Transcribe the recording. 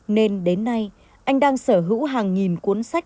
nên đến nay anh đang sở hữu hàng nghìn cuốn sách